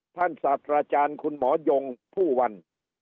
ท่านสาธาราจารย์คุณหมอยงผู้วัน